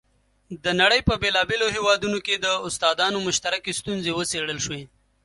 د نړۍ په بېلابېلو هېوادونو کې د استادانو مشترکې ستونزې وڅېړل شوې.